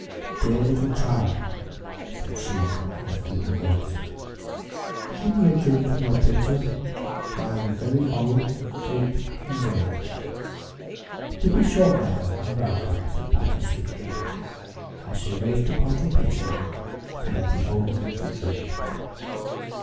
"Dear little child," said she in a feeble voice, "give me a drink from your pitcher, for I am very old, and faint, and weary." "To be sure, mother, and welcome," said Patty, sweetly, as she raised up the pitcher so that the old woman could drink.